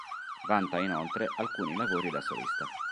Vanta inoltre alcuni lavori da solista.